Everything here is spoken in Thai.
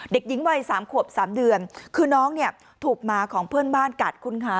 เด็กหญิงวัยสามขวบสามเดือนคือน้องเนี่ยถูกหมาของเพื่อนบ้านกัดคุณคะ